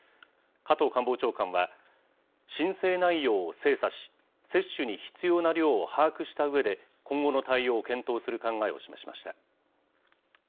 加藤官房長官は、申請内容を精査し、接種に必要な量を把握したうえで、今後の対応を検討する考えを示しました。